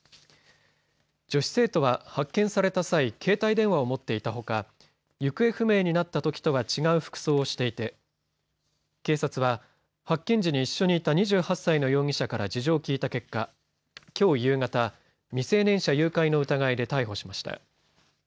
女子生徒は発見された際携帯電話を持っていたほか行方不明になったときとは違う服装をしていて警察は発見時に一緒にいた２８歳の容疑者から事情を聞いた結果事情を聴いた結果きょう夕方未成年者誘拐の疑いで逮捕しました。